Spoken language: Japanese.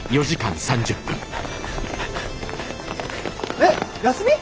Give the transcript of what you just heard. えっ休み？